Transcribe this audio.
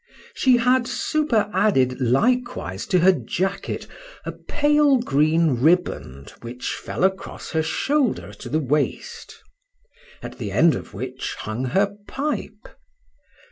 —She had superadded likewise to her jacket, a pale green riband, which fell across her shoulder to the waist; at the end of which hung her pipe.